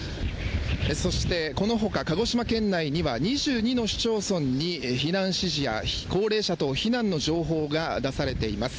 そしてこのほか、鹿児島県内には２２の市町村に避難指示や高齢者等避難の情報が出されています。